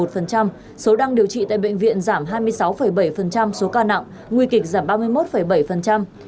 số đang điều trị tại bệnh viện giảm hai mươi sáu bảy số ca nặng nguy kịch giảm ba mươi một bảy